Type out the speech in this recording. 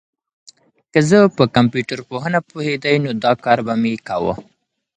که زه په کمپيوټر پوهنه پوهېدای، نو دا کار به مي کاوه.